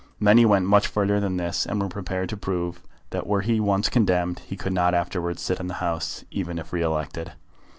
Many went much further than this, and were prepared to prove that were he once condemned he could not afterwards sit in the House, even if re elected.